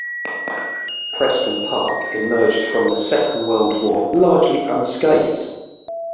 Prenton Park emerged from the Second World War largely unscathed.